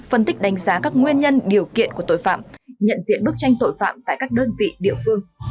phân tích đánh giá các nguyên nhân điều kiện của tội phạm nhận diện bức tranh tội phạm tại các đơn vị địa phương